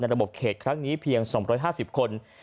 ระบบเขตครั้งนี้เพียง๒๕๐คน